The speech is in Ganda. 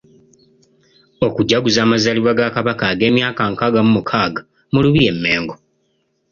Okujaguza amazaalibwa ga Kabaka ag'emyaka nkaaga mu mukaaga mu Lubiri e Mengo.